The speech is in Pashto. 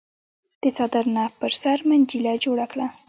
د څادر نه په سر منجيله جوړه کړه۔